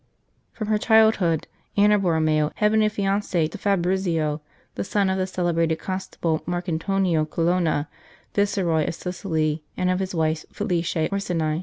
From her childhood Anna Borromeo had been affianced to Fabrizio, the son of the celebrated Constable Marcantonio Colonna, Viceroy of Sicily, and of his wife Felice Orsini.